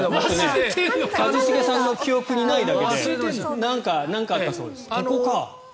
一茂さんの記憶にないだけでなんかあったそうです、ここか。